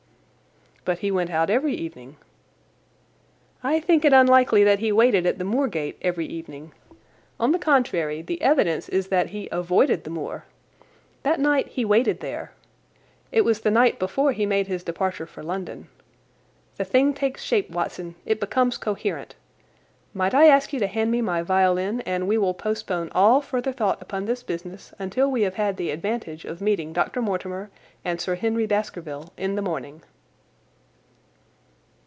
"But he went out every evening." "I think it unlikely that he waited at the moor gate every evening. On the contrary, the evidence is that he avoided the moor. That night he waited there. It was the night before he made his departure for London. The thing takes shape, Watson. It becomes coherent. Might I ask you to hand me my violin, and we will postpone all further thought upon this business until we have had the advantage of meeting Dr. Mortimer and Sir Henry Baskerville in the morning."